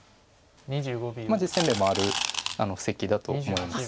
実戦例もある布石だと思います。